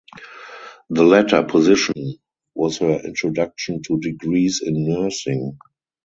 The latter position was her introduction to degrees in nursing.